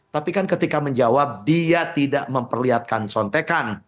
tapi kan ketika menjawab dia tidak memperlihatkan sontekan